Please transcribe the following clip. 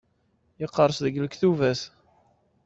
Yeqres deg lektubat.